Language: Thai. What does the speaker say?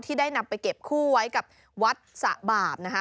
ได้นำไปเก็บคู่ไว้กับวัดสะบาปนะคะ